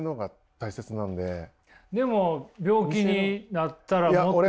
でも病気になったら。